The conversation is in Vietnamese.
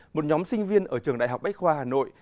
một nhóm sinh viên ở trường đại học bách khoa hà nội